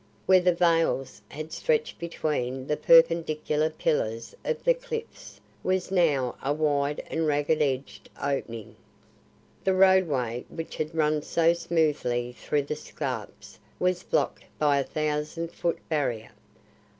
Where the veils had stretched between the perpendicular pillars of the cliffs was now a wide and ragged edged opening. The roadway which had run so smoothly through the scarps was blocked by a thousand foot barrier.